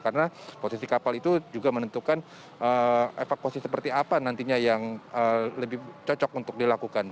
karena posisi kapal itu juga menentukan evakuasi seperti apa nantinya yang lebih cocok untuk dilakukan